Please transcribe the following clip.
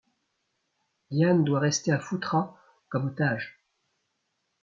Diane doit rester à Phutra comme otage.